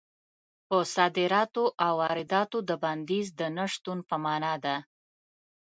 په صادراتو او وارداتو د بندیز د نه شتون په مانا ده.